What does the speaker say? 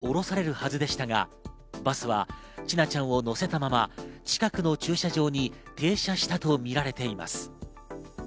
全ての園児がここで降ろされるはずでしたが、バスは千奈ちゃんを乗せたまま近くの駐車場に停車したとみられています。